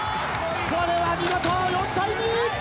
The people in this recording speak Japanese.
これは見事４対２。